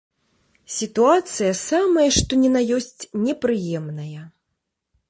Сітуацыя самая што ні на ёсць непрыемная.